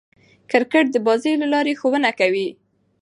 کرکټ د بازيو له لاري ښوونه کوي.